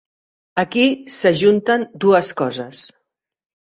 Aquí s’ajunten dues coses.